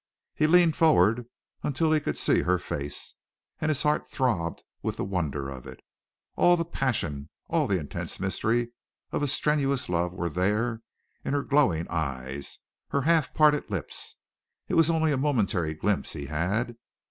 He leaned forward until he could see her face, and his heart throbbed with the wonder of it! All the passion, all the intense mystery of a strenuous love were there in her glowing eyes, her half parted lips! It was only a momentary glimpse he had.